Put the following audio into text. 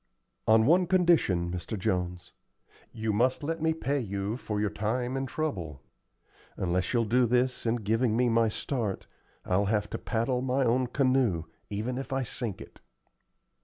"On one condition, Mr. Jones. You must let me pay you for your time and trouble. Unless you'll do this in giving me my start, I'll have to paddle my own canoe, even if I sink it."